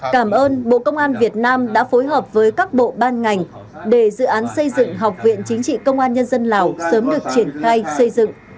cảm ơn bộ công an việt nam đã phối hợp với các bộ ban ngành để dự án xây dựng học viện chính trị công an nhân dân lào sớm được triển khai xây dựng